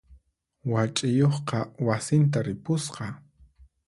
Wach'iyuqqa wasinta ripusqa.